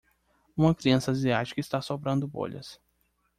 Uma criança asiática está soprando bolhas